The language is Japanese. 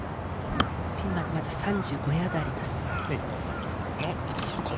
ピンまでまだ３５ヤードあります。